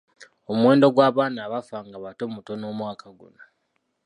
Omuwendo gw'abaana abafa nga bato mutono omwaka guno.